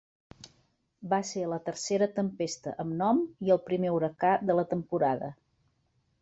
Va ser la tercera tempesta amb nom i el primer huracà de la temporada.